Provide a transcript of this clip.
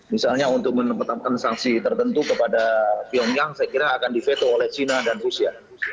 misalnya untuk menetapkan sanksi tertentu kepada pyongyang saya kira akan di veto oleh china dan rusia